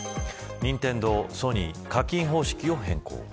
任天堂、ソニー課金方式を変更。